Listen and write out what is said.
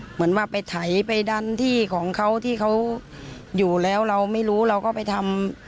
เหมือนว่าไปไถไปดันที่ของเขาที่เขาอยู่แล้วเราไม่รู้เราก็ไปทำ